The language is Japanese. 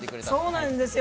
そうなんですよ。